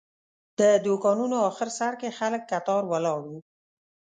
د دوکانونو آخر سر کې خلک کتار ولاړ وو.